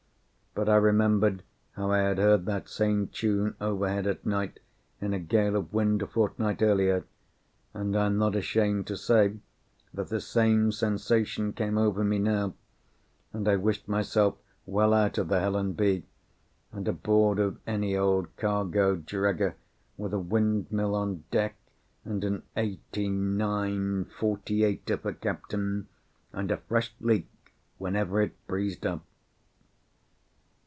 But I remembered how I had heard that same tune overhead at night in a gale of wind a fortnight earlier, and I am not ashamed to say that the same sensation came over me now, and I wished myself well out of the Helen B., and aboard of any old cargo dragger, with a windmill on deck, and an eighty nine forty eighter for captain, and a fresh leak whenever it breezed up.